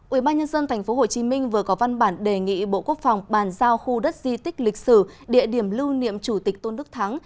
ubnd tp hcm vừa có văn bản đề nghị bộ quốc phòng bàn giao khu đất di tích lịch sử địa điểm lưu niệm chủ tịch tôn đức thắng